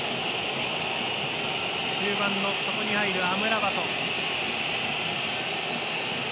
中盤の底に入るアムラバト。